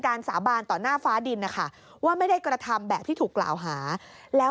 สาบานต่อหน้าฟ้าดินนะคะว่าไม่ได้กระทำแบบที่ถูกกล่าวหาแล้ว